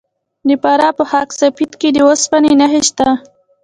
د فراه په خاک سفید کې د وسپنې نښې شته.